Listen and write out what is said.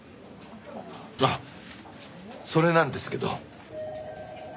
あっそれなんですけど。